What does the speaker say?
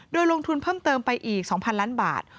โดยลงทุนเพิ่มเติมไปอีก๒๐๐ล้านบาท